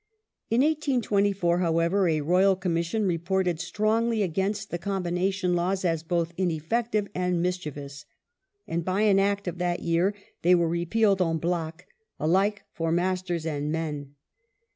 ^ In 1824, however, a Royal Com mission reported strongly against the Combination Laws as both ineffective and mischievous, and by an Act of that year they were repealed en bloc — alike for master and men.